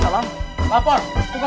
lapor muka sudah dilaksanakan